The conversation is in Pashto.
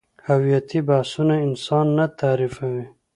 هویتي بحثونه انسان نه تعریفوي.